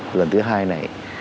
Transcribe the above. lần thứ hai này